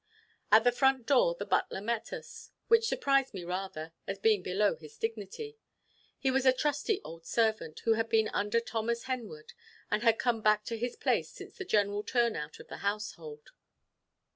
At the front door, the butler met us, which surprised me rather, as being below his dignity. He was a trusty old servant, who had been under Thomas Henwood, and had come back to his place since the general turn out of the household.